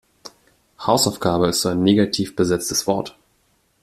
Hausaufgabe ist so ein negativ besetztes Wort.